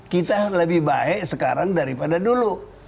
kita lebih baik sekarang daripada dulu